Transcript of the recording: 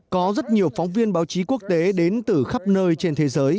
có rất nhiều phóng viên báo chí quốc tế đến từ khắp nơi trên thế giới